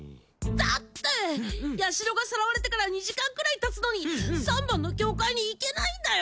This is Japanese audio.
だってヤシロがさらわれてから２時間くらいたつのに三番の境界に行けないんだよ